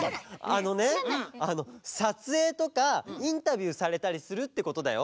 あのねあのさつえいとかインタビューされたりするってことだよ。